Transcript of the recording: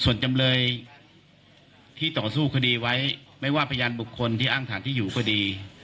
ส่วนจำเลยที่ต่อสู้คดีไว้ไม่ว่าพยานบุคคลที่อ้างฐานที่อยู่ก็ดี